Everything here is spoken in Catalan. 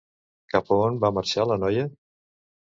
Cap a on va marxa la noia?